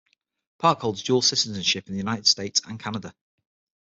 Park holds dual citizenship in the United States and Canada.